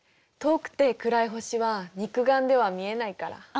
遠くて暗い星は肉眼では見えないから。